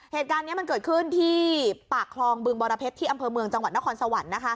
เหตุการณ์นี้มันเกิดขึ้นที่ปากคลองบึงบรเพชรที่อำเภอเมืองจังหวัดนครสวรรค์